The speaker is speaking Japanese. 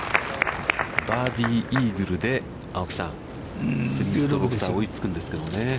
バーディー、イーグルで青木さん、３ストローク差、追いつくんですけどね。